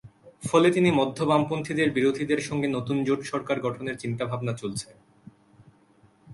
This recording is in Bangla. ফলে তিনি মধ্য-বামপন্থী বিরোধীদের সঙ্গে নতুন জোট সরকার গঠনের চিন্তাভাবনা চলছে।